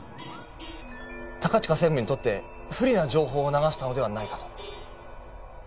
高近専務にとって不利な情報を流したのではないかと。